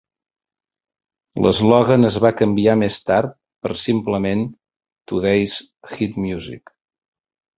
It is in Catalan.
L'eslògan es va canviar més tard per simplement "Today's Hit Music".